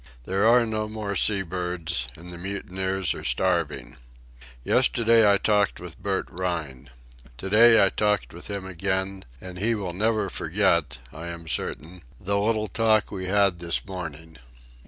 There are no more sea birds, and the mutineers are starving. Yesterday I talked with Bert Rhine. To day I talked with him again, and he will never forget, I am certain, the little talk we had this morning.